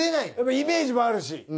イメージもあるし。